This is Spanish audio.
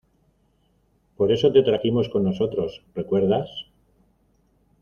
por eso te trajimos con nosotros. ¿ recuerdas?